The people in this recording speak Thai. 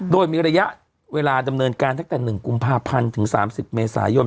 โดยมีระยะเวลาดำเนินการตั้งแต่๑กุมภาพันธ์ถึง๓๐เมษายน